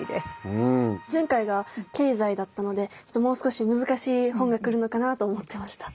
前回が経済だったのでちょっともう少し難しい本が来るのかなと思ってました。